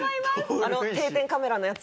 あの定点カメラのやつ？